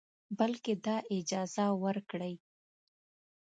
بلکې دا اجازه ورکړئ